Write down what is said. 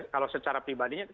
kalau secara pribadinya